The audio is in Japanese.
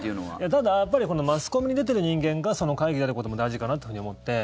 ただ、やっぱりマスコミに出てる人間がその会議に出ることも大事かなと思って。